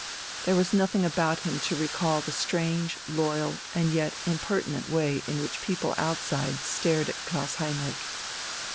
There was nothing about him to recall the strange, loyal, and yet impertinent way in which people outside stared at Klaus Heinrich.